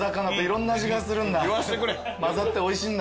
まざっておいしいんだ。